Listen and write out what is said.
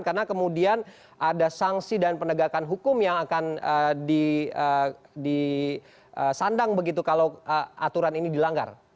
karena kemudian ada sanksi dan penegakan hukum yang akan disandang begitu kalau aturan ini dilanggar